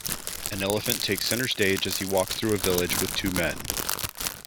An elephant takes center stage as he walks through a village with two men.